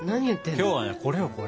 今日はねこれよこれ。